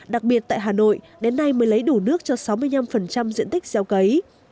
đặc biệt tại hà nội đến nay mới lấy đủ nước cho sáu mươi năm diện tích gieo cấy